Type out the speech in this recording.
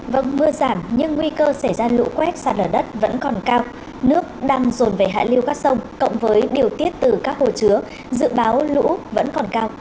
vâng mưa giảm nhưng nguy cơ xảy ra lũ quét sạt lở đất vẫn còn cao nước đang rồn về hạ lưu các sông cộng với điều tiết từ các hồ chứa dự báo lũ vẫn còn cao